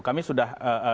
kami sudah menyampaikan